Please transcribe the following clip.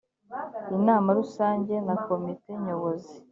inama rusange na komite nyobozi